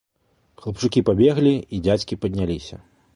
Хлапчукі пабеглі, і дзядзькі падняліся.